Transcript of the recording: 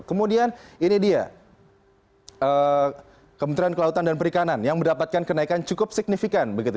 kemudian ini dia kementerian kelautan dan perikanan yang mendapatkan kenaikan cukup signifikan begitu